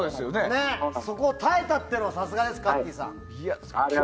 そこを耐えたというのはさすがです、かっていさん。